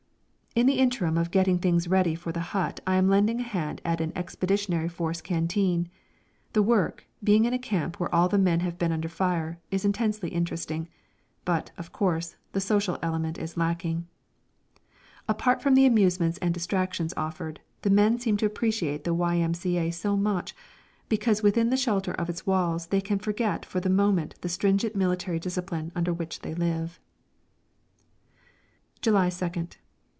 In the interim of getting things ready for the hut I am lending a hand at an Expeditionary Force canteen. The work, being in a camp where all the men have been under fire, is intensely interesting. But, of course, the social element is lacking. Apart from the amusements and distractions offered, the men seem to appreciate the Y.M.C.A. so much, because within the shelter of its walls they can forget for the moment the stringent military discipline under which they live. _July 2nd.